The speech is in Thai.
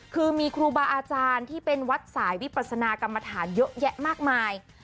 คือมีครูบาอาจารย์ที่เป็นวัดสายวิปัสนากรรมฐานเยอะแยะมากมาย